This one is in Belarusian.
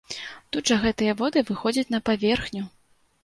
Тут жа гэтыя воды выходзяць на паверхню!